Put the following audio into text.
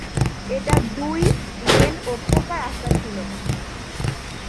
এটা দুই-লেন ও পাকা রাস্তা ছিল।